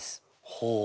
ほう。